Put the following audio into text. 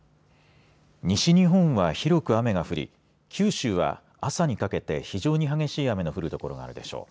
西日本は広く雨が降り九州は朝にかけて非常に激しい雨の降る所があるでしょう。